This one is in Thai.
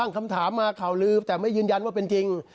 คำถามมาข่าวลืมแต่ไม่ยืนยันว่าเป็นจริง